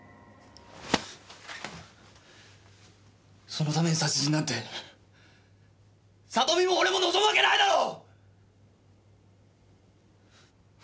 そのために殺人なんて里美も俺も望むわけないだろう！